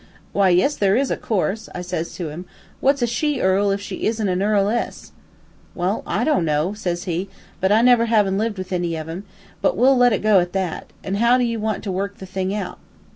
"'Why, yes there is, of course,' I says to him. 'What's a she earl if she isn't a earl ess?' "'Well, I don't know,' says he, 'never havin' lived with any of 'em, but we'll let it go at that. An' how do you want to work the thing out?'